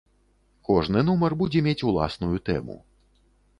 Кожны нумар будзе мець уласную тэму.